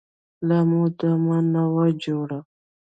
لا مو دمه نه وه جوړه.